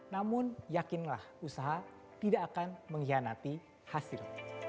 namun yakinlah usaha tidak akan mengkhianati hasil